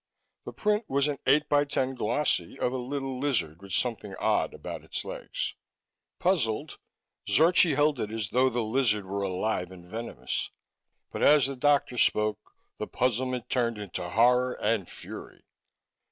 The print was an eight by ten glossy of a little lizard with something odd about its legs. Puzzled, Zorchi held it as though the lizard were alive and venomous. But as the doctor spoke, the puzzlement turned into horror and fury.